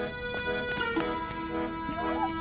よし。